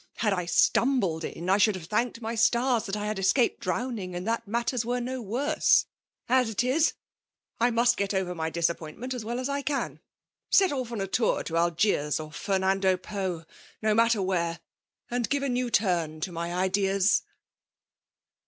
— ^Had I Miumbled in, I should have thanked my stars that I had escaped drowning, and that maltetli were no worse. As it is, I must get over my disappointment as well as I can ; set off on a tour to Algiers or Fernando Po — WBHAhB JKIillKATlOK. 228 BO matter where ; and give anew turn to in]f idees.